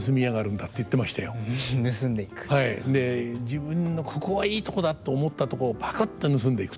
自分の「ここはいいとこだと思ったとこをぱくっと盗んでいく」と。